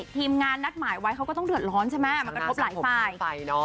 ทีมงานนัดหมายไว้เขาก็ต้องเดือดร้อนใช่ไหมมันกระทบหลายฝ่าย